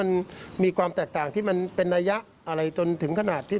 เดี๋ยวเขาจะมีทางพนักงานสอบสวนไปปรีบเทียบนะครับ